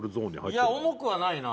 「いや重くはないな」